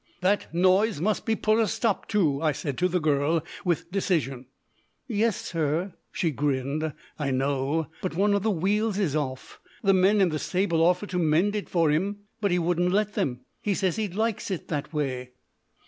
"That noise must be put a stop to!" I said to the girl, with decision. "Yes, sir," she grinned, "I know; but one of the wheels is off. The men in the stable offered to mend it for 'im, but he wouldn't let them. He says he likes it that way."